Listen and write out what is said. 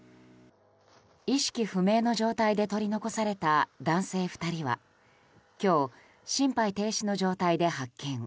意識不明の状態で取り残された男性２人は今日、心肺停止の状態で発見。